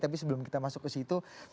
tapi sebelum kita masuk ke situ